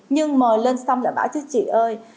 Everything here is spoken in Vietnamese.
nhưng mời lên xong là bảo chứ chị ơi